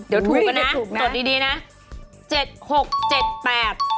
เดี๋ยวถูกกันนะตดดีนะ